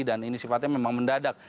dan ini sifatnya memang mendadak